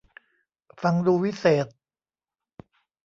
ฟังดูวิเศษ